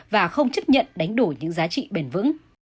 và không chấp nhận đánh đổi những giá trị bền vững